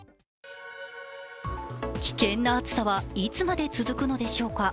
危険な暑さはいつまで続くのでしょうか？